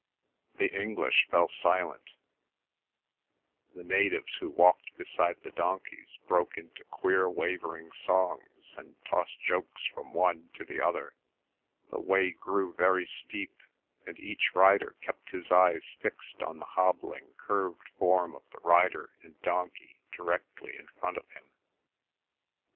The English fell silent; the natives who walked beside the donkeys broke into queer wavering songs and tossed jokes from one to the other. The way grew very steep, and each rider kept his eyes fixed on the hobbling curved form of the rider and donkey directly in front of him.